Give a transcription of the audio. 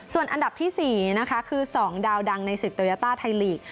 ส่วนอันดับที่๔นะคะคือ๒ดาวดังในศึกโตยาต้าไทยลีก